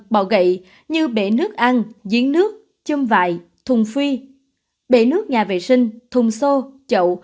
bỏ gậy như bể nước ăn diễn nước châm vại thùng phi bể nước nhà vệ sinh thùng xô chậu